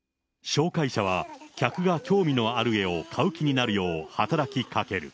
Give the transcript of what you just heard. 紹介者は、客が興味のある絵を買う気になるよう働きかける。